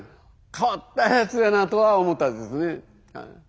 変わったやつやなとは思ったですねはい。